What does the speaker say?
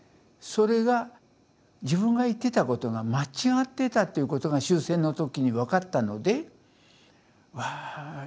それが自分が言ってたことが間違ってたっていうことが終戦の時に分かったのでうわ